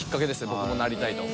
僕もなりたいと。